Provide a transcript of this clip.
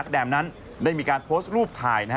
แดมนั้นได้มีการโพสต์รูปถ่าย